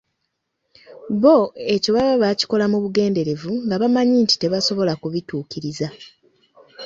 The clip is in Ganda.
Bo ekyo baba baakikola mu bugenderevu nga bamanyi nti tebasobola kubituukiriza.